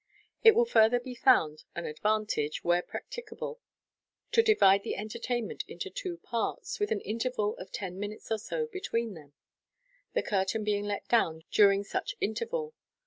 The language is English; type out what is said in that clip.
It will further be found an advantage, where practicable, tc divide the entertainment into two parts, with an interval of ten minutes or so between them, the curtain being let down during such interval.